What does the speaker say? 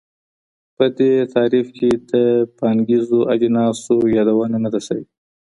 په دې تعریف کي د پانګیزو اجناسو یادونه نه ده سوي.